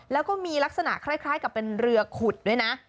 แล้วก็มีลักษณะคล้ายกับเป็นเรือขุดด้วยนะ